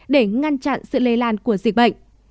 để ngăn chặn sự lây lan của dịch bệnh